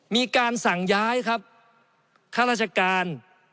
มีการสั่งย้ายครับข้าราชการ